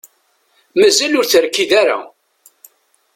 Mazal ur terkid ara.